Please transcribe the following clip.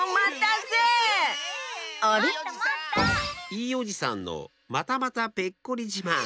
いいおじさんのまたまたペッコリじまん。